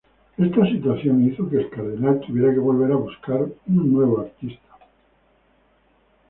Esta situación hizo que el cardenal tuviera que volver a buscar un nuevo artista.